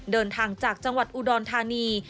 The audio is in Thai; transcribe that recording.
เดินทางจากจังหวัดอุดรธานี